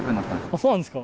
そうなんですか。